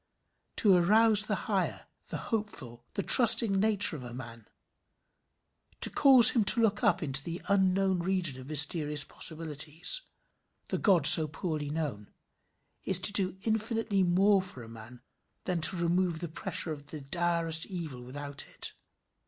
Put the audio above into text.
To arouse the higher, the hopeful, the trusting nature of a man; to cause him to look up into the unknown region of mysterious possibilities the God so poorly known is to do infinitely more for a man than to remove the pressure of the direst evil without it.